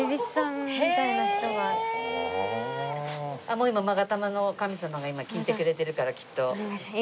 もう今勾玉の神様が今聞いてくれてるからきっと。